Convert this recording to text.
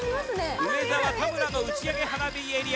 梅澤田村の打ち上げ花火エリアです。